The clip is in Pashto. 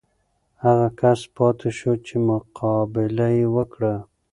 هغه کس پاتې شو چې مقابله یې وکړه.